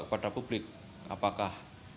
kepada publik apakah